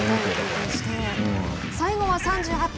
最後は３８分。